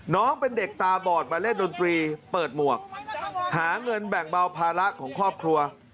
น้องเป็นเด็กตาบอดมาเล่นดนตรีเปิดหมวกหาเงินแบ่งเบาภาระของครอบครัว